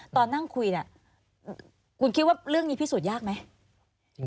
ตอนนั่งคุยเนี่ยคุณคิดว่าเรื่องนี้พิสูจน์ยากไหม